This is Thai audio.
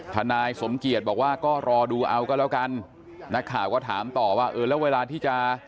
นายสมเกียจบอกว่าก็รอดูเอาก็แล้วกันนักข่าวก็ถามต่อว่าเออแล้วเวลาที่จะ